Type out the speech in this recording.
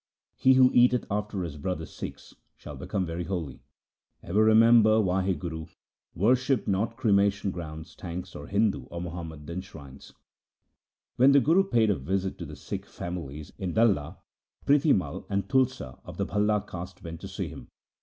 He who eateth after his brother Sikhs shall become very holy. Ever remember Wahguru. Worship not cremation grounds, tanks, 1 or Hindu or Muhammadan shrines.' When the Guru paid a visit to the Sikh families in Dalla, Prithi Mai and Tulsa of the Bhalla caste went to see him.